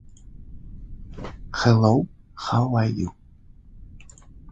I'd rather have Mary.